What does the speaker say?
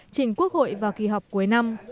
chỉnh quốc hội vào kỳ họp cuối năm